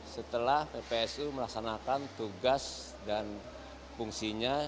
setelah ppsu melaksanakan tugas dan fungsinya